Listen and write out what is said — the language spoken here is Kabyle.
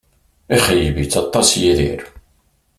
Ixeyyeb-itt aṭas Yidir